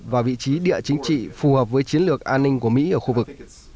và vị trí địa chính trị phù hợp với chiến lược an ninh của mỹ ở khu vực